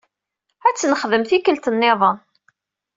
Ad t-nexdem tikkelt nniḍen.